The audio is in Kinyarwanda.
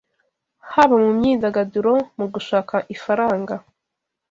Haba mu myidagaduro mu gushaka ifaranga